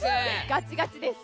ガチガチです。